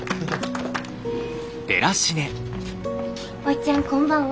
おっちゃんこんばんは。